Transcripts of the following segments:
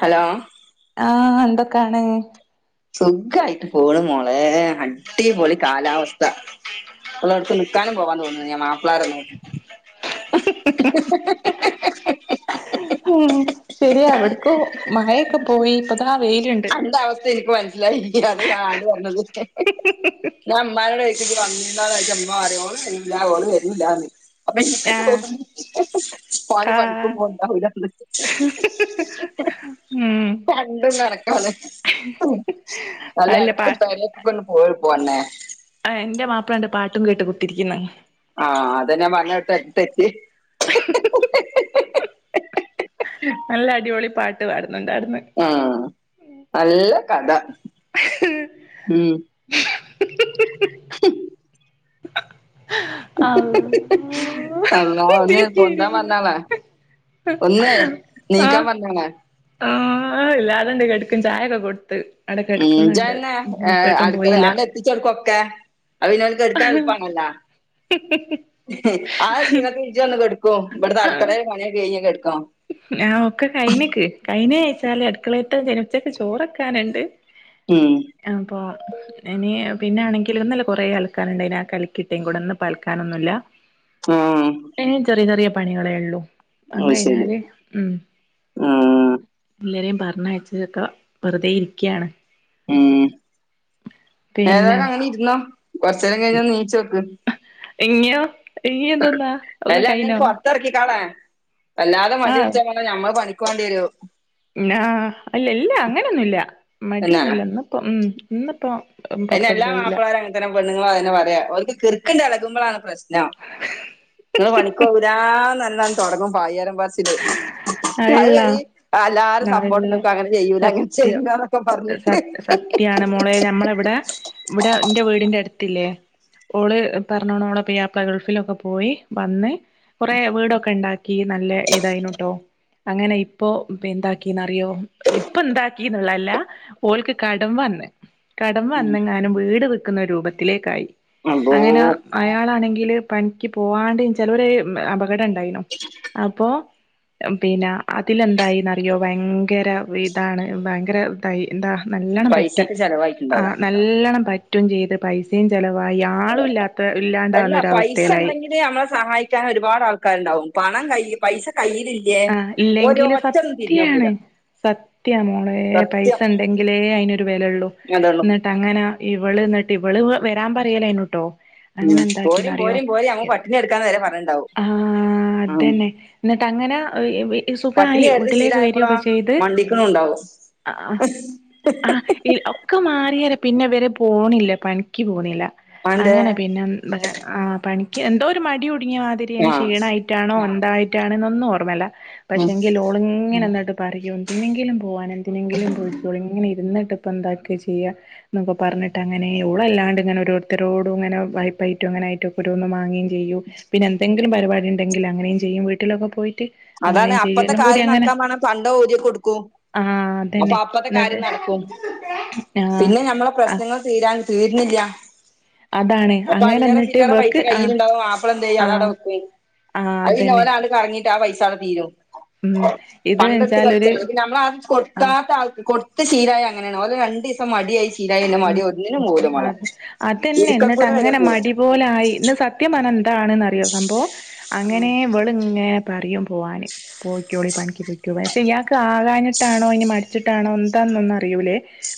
Hello ആ എന്തൊക്കാണ് സ്സുഗ്ഗായിട്ട് പോണ് മോളേ അടിപൊളി കാലാവസ്ഥ ഒരോട്ത് നിക്കാനും പോവാൻ തോന്ണില്ല മാപ്ലാരെ നോ ഹ് ഹ് ഹ് ഹ് [unintelligible] ഉം ശെരിയാണ് ഇവ്ട്ക്കും മയെക്കെ പോയി ഇപ്പതാ വെയില്ണ്ട് പ്പൊ മനസിലായി [unintelligible] ഞാനാ പറഞ്ഞത് ക്കെ ഞാ മ്മാനോട് ജ്ജ് വന്നീനോ ചോയ്ച്ച മ്മ പറീം ഓള് വെരൂല ഓള് വെരൂല്ലാന്ന് അപ്പൊ ഇൻക് ആഹ് തോന്നി ഓന്നി പണിക്കും ആഹ് പോണ്ടാവൂലാന് ഉം രണ്ടും കണക്കാണ് അല്ല എടക്ക് പെരീകൊന്ന് പോയി പോരണൈ ഏഹ് ന്റെമാപ്ലണ്ട് പാട്ടും കേട്ട് കുത്തിരിക്ന്ന് ആ അതന്നെ ഞാൻ പറഞ്ഞോട്തെത്ത തെറ്റ് ഹി ഹി ഹി ഹി ഹി ഹി നല്ല അടിപൊളി പാട്ട് പാടുന്നുണ്ടാട്ന്ന് ആ നല്ല കഥ ഉം ഹും ഹ് അ അള്ളാ ഒന്ന് പൊന്താം പർഞാള ഒന്ന് നീക്കാൻ ആഹ് പറഞ്ഞള ആഹ് ല്ലാത്ണ്ട് കെട്ക്കും ചായൊക്കെ കൊട്ത്ത് ഉം ജ്ജെന്നെ ഏഹ് അട്ക്ക പോയില്ല അങ്ങ്ട് എത്തിച്ചോട്ക്കും ഒക്കെ അ [unintelligible] പിന്നോൽക് എട്ക്കാൻ എൾപാണല്ലൊ ഹ് ആ ഷീണത്തി ഇജെജാന്ന് കെട്ക്കും ഇബ്ട്തെ ആഹ് അട്ക്കളീല് പണിയൊക്ക കൈഞ് കെട് ആഹ് ഒക്കെ കൈന്ക്ക് കൈന്ച്ചാല് അട്ക്കളീത്തെ കൈഞ് ഉച്ചക്ക് ചോറെക്കാന്ണ്ട് ഉം അപ്പൊ ഇനി പിന്നെ ആണെങ്കിൽ ഇന്നലെ കുറേ അലക്കാന്ണ്ടേയ്ന് അ ഒക്കെ അലക്കിട്ടേം കൂടെ ഇന്ന് പ്പ അലക്കാനൊന്നൂല്ല. ആഹ് ഇനി ചെറിയ ചെറിയ പണികളെ ഉള്ളു അഉം അത് കയ്ഞാല് ര ശരി മ് ആഹ് [unintelligible] പറഞ്ഞ യച്ചതൊക്കെ വെറുതെ ഇരിക്കുകയാണ് ഉം പിന്നെ ഏതായാലും അങ്ങനെ ഇരുന്നോ. കൊറച്ച്നേരം കഴിഞ്ഞ നീ ച്ചോക്ക് എങ്ങിയോ ഇനി എന്തോന്നാ ഒക്കെ അല്ല അന്നെ കഴിഞ്ഞോ? പൊറത്തിറക്കിക്കാളെ വല്ലാതെ മടി പിടിച്ചാ പിന്നെ ഞമ്മള് പണിക്കോവണ്ടി വരും. ഇല്ലാ ഇല്ല അങ്ങനെയൊന്നുല്ല. മടിയൊന്നുല്ല. ഇന്ന് ഇപ്പം ഉം ഇന്ന് പ്പം അയിനെല്ലാ മാപ്പിളാരും അങ്ങൻ തന്നെ പെണ്ണുങ്ങളും അതന്നെ പറയാ ഓര്ക്ക് കിർക്കിണ്ട് ഇളക്മ്പളാണ് പ്രശ് നം. നിങ്ങള് പണിക്ക് പോവൂലാന്ന് പറഞ്ഞ് തൊടങ്ങും പായ്യേരം പർച്ചില്. അത് അള്ളാ വരീം ആ എല്ലാരും സപ്പോർട്ട് നാളെയുള്ള ന്ക്കും അങ്ങനെ ചെയ്യൂല ഇങ്ങനെ സത്യം ചെയ്യൂല എന്നൊക്കെ പറഞ്ഞിട്ട്. സ സത്യാണ് മോളെ നമ്മളെവിടെ ഇവിടെ എന്റെ വീടിന്റെ അടുത്ത്ല്ലേ ഓള് പറഞ്ഞ്ണോളെ പുയ്യാപ്പ്ള ഗൾഫിലൊക്കെ പോയി വന്ന് കുറെ വീടൊക്കെ ഉണ്ടാ ക്കി നല്ല ഇതായിനുട്ടോ. അങ്ങനെ ഇപ്പോ ഇപ്പൊ എന്താക്കീന്ന്റിയോ ഇപ്പൊ എന്താക്കിന്നുള്ളതല്ല ഓൽക്ക് കടം വന്ന് കടം വന്നങ്ങാനും വീട് വിൽക്കുന്ന രൂപത്തിലേക്കായി, അപ്പോ അങ്ങനെ അയാളാണെങ്കില് പണിക്ക് പോവാണ്ടിം ചെറിയൊരു അപകടം ഉണ്ടായിണു. അപ്പൊ പിന്നെ അതിലെന്തായിന്ന്റിയോ ഭയങ്കര ഇതാണ് ഭയങ്കര ഇതായി എന്താ നല്ലോണം പൈസ പറ്റി. ഒക്കെ ആ ചെലവായിട്ടുണ്ടാവും നല്ലോണം പറ്റും ചെയ്ത് പൈസയും ചെല വായി അയാളും ഇല്ലാത്ത അല്ല ഇല്ലാണ്ടാവുന്ന പൈസ ഒരവസ്ഥയിലായി. ഉണ്ടെങ്കിൽ നമ്മളെ സഹായിക്കാൻ ഒരുപാട് ആൾക്കാരുണ്ടാവും പണം കൈ പൈസ കയ്യിലില്ലേ ആഹ് ഇല്ലെങ്കില് ഒരൊറ്റൊന്നും തിരിഞ്ഞു നോക്കൂല സത്യാണ്. സത്യ മോളെ പൈസ സത്യം ഉണ്ടെങ്കിലേ അയിനൊ രു വെലൊള്ളൂ. അതുള്ളൂ ഇന്നട്ട് അങ്ങനെ ഇവള് എന്നിട്ട് ഇവള് വരാൻ പറയലേനു ട്ടോ അങ്ങനെ എന്താക്കിന്ന് പോരും അറിയോ പോരും പോരും അങ്ങ് പട്ടിണി എടുക്കാന്ന് വരെ പറഞ്ഞിണ്ടാവും ആഹ് ആതന്നെ എന്നിട്ട് അങ്ങനെ [unintelligible] സുഖായി പട്ടിണി ആയിരുന്നു വീട്ടിലേക്ക് ശീലായപ്പോളാ വരൊക്കെ ചെയ്ത് മണ്ടിക്കണുണ്ടാവും ആ ആ ഒക്കെ മാറിയാരെ പിന്നെ ഇവര് പോണില്ല പണിക്ക് പോണില്ല. അന്തേ അങ്ങനെ പിന്നെ ആ പണി ക്കെന്തോ ഒരു മടിടുങ്ങിയ മാതിരി അയ്നി ആഹ് ക്ഷീണായിട്ടാണോ എന്തായിട്ടാണോ എന്നൊന്നും ഓർമ്മല്ല ഉം പക്ഷെങ്കിലോളിങ്ങനെ പറയൂ എന്തിനെങ്കിലും പോവാന് എന്തിനെങ്കിലും പോയ്ക്കോളീ ഇങ്ങനെ ഇരുന്നിട്ട് ഇപ്പന്താക്കാ ചെയ്യ എന്നൊക്കെ പറഞ്ഞിട്ട് അങ്ങനെ ഓളല്ലാണ്ട് ഇങ്ങനെ ഓരോരുത്തരോടും ഇങ്ങനെ വായ്പായ്റ്റും അങ്ങ നായ്റ്റൊക്കെ ഓരോന്ന് മാങ്ങേം ചെയ്യും. പിന്നെന്തെങ്കിലും പരിപാടി ഉണ്ടെങ്കിൽ അങ്ങനെയും ചെയ്യും. വീട്ടിലൊക്കെ പോയിട്ട് അതാണ് അങ്ങനെയും ചെയ്യും അപ്പത്തെ എല്ലാം കൂടി കാര്യം അങ്ങനെ നടക്കാൻ മാണെ പണ്ടം ഊരി കൊടുക്കും. ആഹ് അപ്പൊ അതന്നെ അപ്പത്തെ എന്നിട്ട് കാര്യം നടക്കും. ആഹ് പിന്നെ ഞമ്മളെ ആഹ് പ്രശ്നങ്ങൾ തീരാൻ തീര്നില്ല. അതാണ് അപ്പൊ അങ്ങനെ അല്ലറ എന്നിട്ട് ചില്ലറെപൈസ ഇവക്ക് ആ കയ്യിലുണ്ടാവും. മാപ്പള എന്ത് ചെയ്യും ആ അതവിടെ വക്കും ആ അത് പിന്നെ അതന്നെ ഓലാണ്ട് കറങ്ങിട്ട് ആ പൈസ അവിടെ തീരും ഉം ഇത് പണ്ടട്ത്ത് വെച്ചാലൊരു കളിച്ചല്ലേ നമ്മളാദ്യം ആ കൊടുക്കാത്ത ആൾക്ക് കൊടുത്ത് ശീലായ അങ്ങനെയാണ് ഓന് രണ്ടീസം മടിയായി ശീലായി പിന്നെ ഉം മടി ഒന്നിനും പോവൂല മോളെ അതെ. അതന്നെ എന്നിട്ട് ഇരിക്കക്കൂര വരെ അങ്ങനെ പോവും മടി പോലെ ആയി ഇന്ന് സത്യം പറഞ്ഞാ എന്താണ് ന്ന് അറിയോ സംഭവം ഉം അങ്ങനെ ഇവളിങ്ങ പറിയും പോവാന് പോയിക്കോളി പണിക്ക് പൊയ്ക്കൊ. പക്ഷെ ഇയാൾക്ക് ആകാഞ്ഞിട്ടാണോ ഇനി മടിച്ചിട്ടാണോ എന്താ ന്നൊന്നും അറിയൂല്ലേ.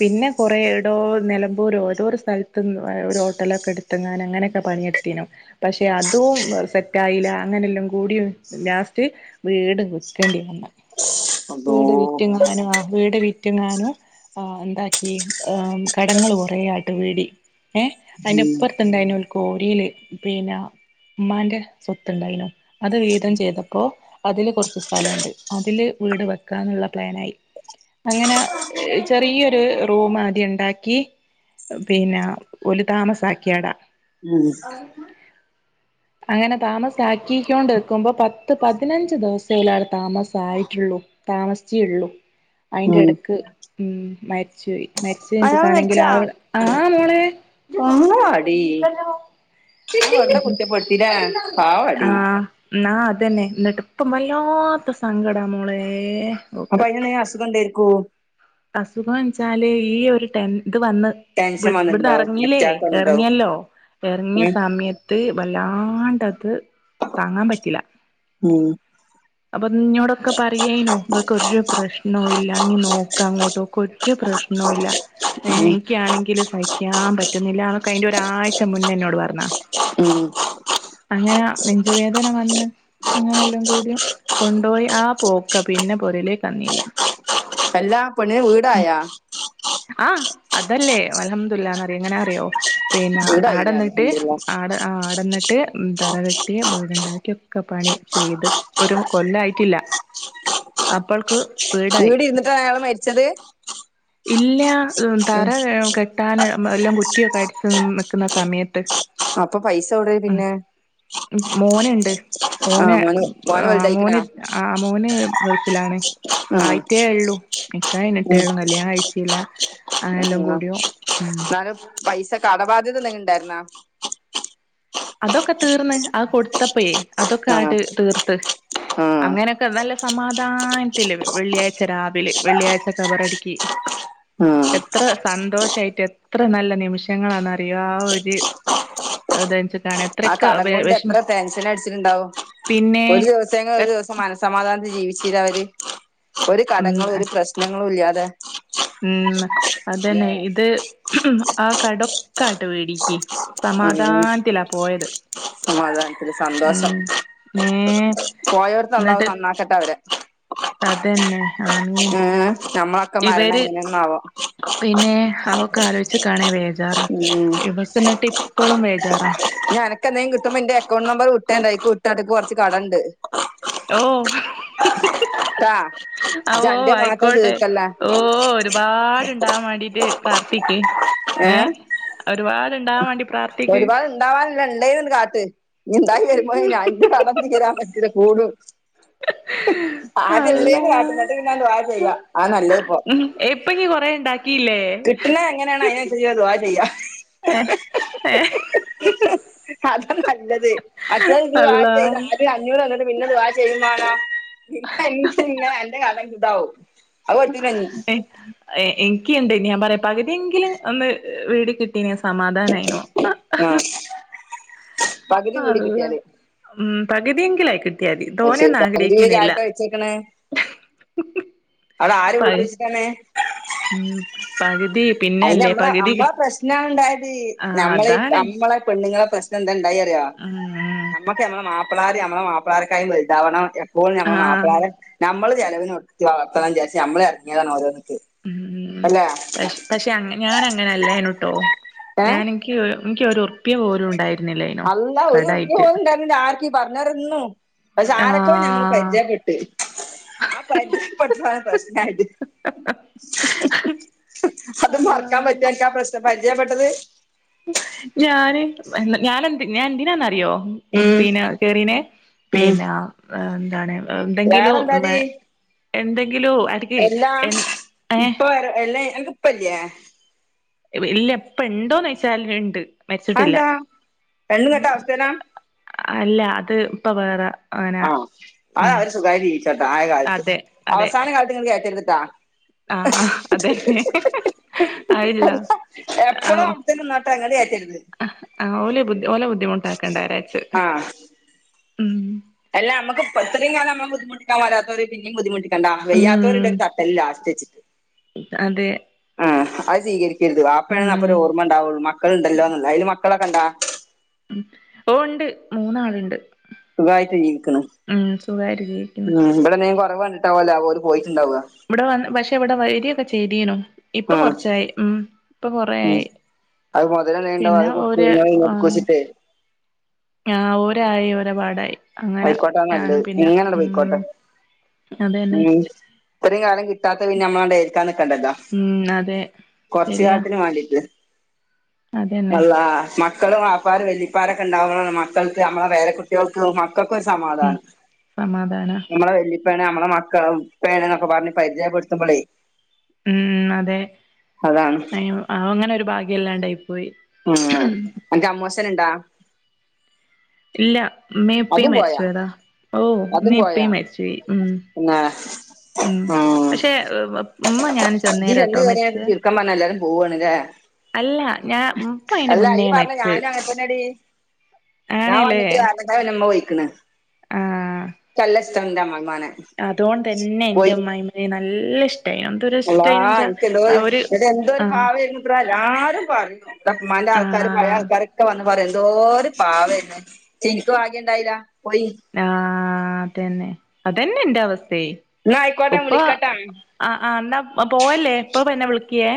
പിന്നെ കൊറേ രോ നിലമ്പൂരോ ഏതൊ രു സ്ഥല്ത്തും ഒരുഹോട്ടലൊക്കെ ഇടുത്ത് ങ്ങാന് അങ്ങനെയൊക്കെ പണിയെടുത്തിനും പക്ഷെ അതും സെറ്റായീല്ല അങ്ങനെല്ലാം കൂടി ലാസ്റ്റ് വീട് വിക്കണ്ടി വന്ന്. അള്ളോ വീട് വിറ്റുങ്ങാനും ആ വീട് വിറ്റ്ങ്ങാനും ആ എന്താക്കി ഏമ് കടങ്ങൾ കൊറേ ആയിട്ട് വീടി. ഏ അയിന്റെ ഉം ഇപ്പർത്തുണ്ടായ്ന്യോൽക്കോ ട്ടില്, പിന്നെ ഉമ്മാന്റെ സ്വത്ത് ഉണ്ടായിനു അത് വീതം ചെയ്തപ്പോ അതില് കൊറച്ച് സ്ഥലമുണ്ട് അതില് വീട് വെക്കാന്നുള്ള പ്ലാനായി അങ്ങനെ ചെറിയൊരു [unintelligible] [unintelligible] ണ്ടാക്കി പിന്നെ ഓല് താമസാക്കിയാട. ഉം അ അങ്ങനെ താമസാക്കിക്കൊണ്ടിരിക്കുമ്പോ പത്ത് പതിനഞ്ച് ദിവസോലാട താമസായിട്ടുള്ളൂ താമസിചുള്ളു അതിന്റെ ഉം ഇടക്ക് ഉ മരിച്ചു പോയി മരിച്ച [unintelligible] അയാള് കാണെങ്കിൽ മരിച്ചാ ആ ആ മോളെ [unintelligible] പാവാടി ഞാൻ വെറുതെ കുറ്റപ്പെടുത്തില്ലേ [unintelligible] പാവാടി ആഹ ന അതന്നെ നട്ടപ്പ വല്ലാത്ത സങ്കടാ മോളേ അപ്പൊ [unintelligible] അസുഖം ഉണ്ടായിരിക്കോ അസുഖം വെച്ചാല് ഈ ഒരു [unintelligible] ഇത് വന്ന് ടെൻഷൻ ഇവിടുന്ന് വന്നിട്ടുണ്ടാവും ഇറങ്ങല്ലേ അറ്റാക്ക് വന്നിട്ടുണ്ടാവും ഇറങ്ങിയല്ലോ ഇറങ്ങിയ ഉം സമയത്ത് [unintelligible] വല്ലാണ്ടത് താങ്ങാൻ പറ്റില്ല ഉം അപ്പൊ ഇഞ്ഞോടൊക്കെ പറയായിനോ ഇവക്കൊരു പ്രശ്നവും ഇല്ലാങ്കി നോ അങ്ങോട്ടക്കെ പ്രശ്നല്ല ഉം എനിക്കാണെങ്കിൽ സഹിക്കാൻ പറ്റുന്നില്ല അതിന്റെ ഒരാഴ്ച മുന്നേ എന്നോട് പറഞ്ഞാ ഉം ഉം അങ്ങനെ നെഞ്ചുവേദന വന്ന് അങ്ങനെല്ലാം കൂടിയ കൊണ്ടുപോയി ആ പോക്കാ പിന്നെ പൊരലേക്ക്ന്ന അല്ല എല്ലാ പെണിന് വീടായ ആഹ് അതല്ലേ അലഹമ്മദല്ലാന്ന്റിയ എങ്ങനെ അറിയോ പിന്നെ വീടായില്ല ആടന്നിട്ട് അൽഹംദുലില്ലാ ആട ആടന്നിട്ട് തറ കെട്ടിയ വീടുണ്ടാക്കിയ ഒക്കെ പണി ചെയ്ത് ഒരു കൊല്ലായിട്ടില്ല അപ്പൾക്ക് ഇവിടെ ഇരുന്നിട്ടാ അയാള് മരിച്ചത് ഇല്ല ഉ തറ കെട്ടാൻ എല്ലാം കുറ്റിയൊക്കെ അടച്ച് നിക്കുന്ന സമയത്ത് ടെ പിന്നെ മോനണ്ട് ആ ഓന മോന് മോന് മഓന വലുതായിക്കണാ അമോന് മോന് ഗൾഫിലാണ് ഉം ആയിട്ടേ ഉള്ളൂ നിക്കാ കയിഞ്ഞിട്ടേള്ളു കല്യാണം കഴിച്ചില്ല അങ്ങനെല്ലാം ആ കൂടിയോ ഉം എന്നാലും പൈസ കടബാധ്യത എന്തെങ്ക ഉണ്ടായിരുന്നാ അതൊക്കെ തീർന്ന് അ കൊടുത്തപ്പോയേ അതൊക്കെ ആ ആട്ട് തീർത്ത് ആ അങ്ങനെയൊക്കെ നല്ല സമാധാന [unintelligible] വെള്ളിയാഴ്ച രാവിലെ വെള്ളിയാഴ്ച കബറടിക്ക് ആ എത്ര സന്തോഷ [unintelligible] എത്ര നല്ല നിമിഷങ്ങളാന്നറിയോ ആ ഒരു അതു [unintelligible] ആ കടം കൊണ്ട് എത്ര ടെൻഷൻ അടിച്ചിട്ടുണ്ടാവും പിന്നെ ഒരു ദിവസെങ്കിലും ഒരു ദിവസം മനസ്സമാധാനത്തി ജീവിച്ചു അവര് ഒരു ഉം കടങ്ങളും ഒരു പ്രശ്നങ്ങളുല്ലാ ഉം അതന്നെ ല്ലേ ഇത് ആ കടൊക്ക ആട്ട് വേടിക്ക് സമാധാനത്തില്ലാ പോയത് ആ അതാ ഒരി സന്തോഷം ഉം ഏ കോയടുത്തള്ളാവും എന്നിട്ട് നന്നാക്കട്ടെ അവര് അതന്നെ ആമേൻ നമ്മളൊക്കെ മരണം എങ്ങനെ [unintelligible] പിന്നെ അവൊക്കെ ആലോചികാണേ വേജാറ ഉം ഇവക്ക് എന്നിട്ട് ഇപ്പോളും വേജാറാ എന്തേങ്കും കിട്ടുമ്പൊ എന്റെ അക്കൗണ്ട് നമ്പർ [unintelligible] കുറച്ച് കടണ്ട് ഓ ഹ ഹ [unintelligible] ട്ടാ ഓ... ഇജ്ജ് അന്റെ മാത്രം ആയിക്കോട്ടെ, തീർക്കല്ലേ ഓ... ഒരുപാടുണ്ടാവാൻ മണ്ടീട്ട് പ്രാർത്ഥിക്ക് ഏ? ഒരുപാട് ഒരുപാട് ഉണ്ടാവാനല്ല ഇണ്ടങ്കിൽ ഇങ്ങട്കാ - [unintelligible] വരുമ്പോ അതിന്റെ കടന്ന തീരാൻ പറ്റൂല കൂടും [unintelligible] അള്ളാ ആദ്യള്ളീന്ന് കാട്ട് എന്നിട്ട് പിന്ന ദുഹാ ചെയ്യ, അതാ നല്ലതിപ്പോ, ഉം ഇപ്പ ഇയ്യ് കൊറേ ഇണ്ടാക്കിയില്ലേ കിട്ടണത് എങ്ങനെയണ അതിനനുസരിച് ദുഹാ ചെയ്യ. ഏ ഏ... അതാനല്ലത്. അത്യാവ ദുഹാ അള്ളാ ചെയ്, ആദ്യം അഞ്ഞൂറന്നട്ട് പിന്നെ ദുഹാ ചെയ് ഇപ്പോ അംകിന്നെ അന്നെ കാണാഞ്ഞിട്ട് താവും. എനിക്കുണ്ട്, ഞാൻ പറയാ. പകുതിയെങ്കിലും ഒന്ന് വീട് കിട്ട... സമാധാനമായിനു. ആഹ് പകുതി വീട് അള്ളാ, കിട്ടിയാല് ഉം പകുതിയെങ്കിലായിക്കി ത് അത് ശരി ധോണിയൊന്നും പകുതി വീട് ആഗ്രഹിക്കുന്നില്ല. ആർക്കാ വെച്ചേക്ക്ണ് അവിടെ ആര് പ ഊട്ടി വച്ചിട്ടന്നെ? [inaudible] പകുതി പിന്നല്ലേ അതിമ്മളെ, പകുതി നമ്മളെ പ്രശ്ന ഉണ്ടായത്... ആഹ് നമ്മളീ അതാണ് നമ്മളെ... പെണ്ണുങ്ങളെ പ്രശ്നം എന്താണ്ടായി അറിയോ? ഉം നമ്മക്ക് നമ്മള മാപ്പ മാപ്പിളാർ നമ്മെ മാപ്പിളാർക്കായും വലുതാവണം, എപ്പോഴും നമ്മെ ആഹ് മാപ്പളാരെ, നമ്മള്... ചലവിനൊടുത്തഅപ്പവിചാരിച്ച നമ്മളെ ഇറങ്ങതാനോരോന്ന്. ഉം ഉ... പക്ഷ... പക്ഷെ ഞാൻ അങ്ങനെ അല്ലായിനുട്ടോ! ഏഹ് ഞാൻ എക്ക്... എനിക്കൊരു ഉറപ്പിയ പോലും ഉണ്ടായി അള്ളാ... ഒരുർപ്യാ പോലുണ്ടയിനീല ആർകി പറഞ്ഞോരൊന്നും. പക്ഷെ, ആരൊക്കെ ഞമ്മൾ ആഹ് പരിചയപ്പെട്ട്. ആ പരിചയപെട്ടതാ പ്രശ്നയാത്. അത് മറക്കാൻ പറ്റോ എനിക്കാ പരിചയപ്പെെട്ടത്? ഞാന് ഞാനെന് ഞാൻ എന്തിനതിനാന്ന അറിയോ? ഉം പിന്നെ കേറീനെ, ഉം പിന്നെ എന്താണ്? എന്തെങ്കിലും? വേറെന്താടി ണ്ടെ എല്ലാ, ഏഹ് ഇപ്പവര ഞക്ക് ഇപ്പല്യേ? ഇല്ല. പ്പണ്ടോന്നോയ്ച്ചാൽണ്ട്. മരിച്ചിട്ടില്ല. അതെന്താ പെണ്ണും കെട്ട അവസ്ഥേലാ അല്ല അത് ഇപ്പൊ വേറെ. അങ്ങനെ ആഹ, ഉം അതവര് സുഖായിട്ട് ജീവിച്ചോട്ടെ, ആയ കാലത്ത്, അതെ അവസാന കാലത്ത് നിങ്ങ കേറ്റർത്ട്ടാ. ആഹ, അതെന്നെ. അയില്ല, ആ.. കേറ്റരുത്. ഓലെ ബുദ്ധിമുട്ടാക്കേണ്ടാരാച്ചു. ഉം അല്ല, നമക്ക് എത്രയും കാലം നമ്മ ബുധിമുട്ടിക്കാൻ വരാത്തവർ പിന്നും ബദ്ധിമുട്ടിക് കണ്ട, വയ്യാത്തവരുന്റെ ഉം ഒരു തട്ടല് ലാസ്റ്റ് വെച്ചിട്ട് അതെ. ആ അത് സ്വീകരിക്കരുത്. വാപ്പണെന്ന് ഉം അപ്പരോർമ ഉണ്ടാവുള്ളൂ, മക്കളൾുണ്ടല്ലോന്ന, അതില് മക്കളൊക്കെ ഇണ്ടാ? ഉം ഓണ്ട് മൂന്നാളുണ്ട്. സുഖായിട്ട് ജീവിക്ക്ണ് ഉം സുഖായിട്ട് ജീവിക്കുന്നു ഉം, ഇവിടെന്തെങ്കിലും കുറവ് കണ്ടിട്ടാവല്ലോ അവര് പോയി ഇവിടെ വന്ന്, പക്ഷെ ഇവിടെ വരിയൊക്കെ ചെയ്തിനു. ഇപ്പൊ ഉം കൊറച്ചായി. ഉം. ഇപ്പൊ ഉം കൊറയായി. അത് മുതലെന്തെങ്കിലും ഉണ്ടാവും പിന്നെ അത് കൊടുക്കും ഓര്... ഇങ്ങനെ ആ. കൊടുക്കുവെച്ചിട്ട് ആഹ് ഓരായി! ഓരപാടായി. പൈക്കോട്ട നല്ലത്. എങ്ങനണ്ട് പൈക്കോട്ടെ. അതന്നെ ഉം. ഇത്രയും കാലം കിട്ടാത്തെ, പിന്നെ നമ്മളാണ്ട് ഏൽക്കാ നിക്കണ്ടല്ല. ഉം അതെ കൊറച്ച ശരിയാ കാലത്തിന് വേണ്ടിയിട്ട്. അതന്നെ അള്ളാ, മ മക്കളും ബാപ്പര് വെല്ലിപ്പാരൊക്കെ ഉണ്ടാവുമ്പോളാണ് മക്കൾക്ക്, നമ്മളെ പേരകുട്ടികൾക്ക് മ പ്പൊര് ഉം സമാധാനം സമാധാന നമ്മള വെല്ലി പ്പന നമ്മള മക്കള പ്പേണ് ന്നൊക്ക പർഞ്ഞ് പര്ചയ്പ്പെട്ത്തുമ്പോളേ ഉം അതെ അ അങ്ങനെ ഒരു ഭാഗ്യല്ലാണ്ടായി പോയ് ആ അൻക്ക് അമ്മോശന് ണ്ടാ ഇല്ല ഇമ്മേം ഉപ്പേം മര്ച്ചോയതാ ഓ അതും മ്മേം പോയാ പ്പേയ് മര്ച്ചോയി ഉം പിന്നെ ഉം പക്ഷെ ഉമ്മ ഞാന് ഇജ്ജ് ചെന്നേരാട്ടോ ചെന്ന് കേറിയപ്പോ മര്ച്ചവ് ചുരുക്കം പറഞ്ഞ എല്ലാരും പോവാണ് ല്ലേ അല്ല ഞാൻ പ്പ അയ്ന്റെ അല്ല മുന്നേ ഇയ്യ് പറഞ്ഞ മര്ച്ച് ഞാനും അങ്ങനെ തന്നെടി ആണ് ല്ലേ മ്മ പോയിക്ക്‌ണ് ക്ക്‌ അല്ല സ്ട്ടാണ് ന്റെ മ മ്മാനെ അതുഓണ് തന്നെ ൻ മ്മായ്മ്മേ നല്ല ഇശ് അള്ളാ ഇൻക്ക് എന്തോര് ഒരു എന്റെ എന്തോരു ആഹ് പാവെയ്രുന്നു ത്ര എല്ലാരും പറയു ത മ്മാന്റെ ആൾക്കാ ക്കാര് പഴെ ആഹ് ആൾക്കാരൊക്ക വന്ന് പറ്യു എന്തോ ഒരു പാവെയ്നു ശേ ഇൻക്ക് ഭാഗ്യ ണ്ടായില്ല ആഹ് അതെന്നെ അതെന്നെ ന്റെ അവസ് തെ എന്നാ ആയിക്കോട്ടെ ഉപ്പ വിളിക്കട്ടാ ആആ ന്ന പോവല്ലേ പ്പം പ്പന്നെ വിൾക്ക്യേ